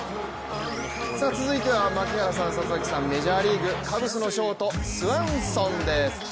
続いては槙原さん里崎さん、メジャーリーグカブスのショート、スワンソンです